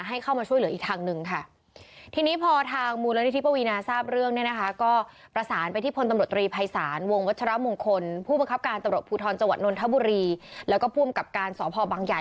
ให้เข้ามาช่วยเหลืออีกทางหนึ่งค่ะ